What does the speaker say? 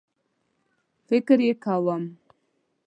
فکر یې کوم